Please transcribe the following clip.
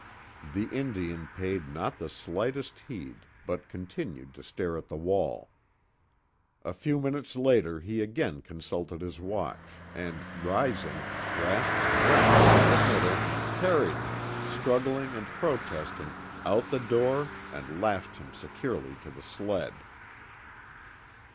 The Indian paid not the slightest heed, but continued to stare at the wall. A few minutes later he again consulted his watch, and rising, grasped Brent about the middle and carried him, struggling and protesting out the door and lashed him securely to the sled.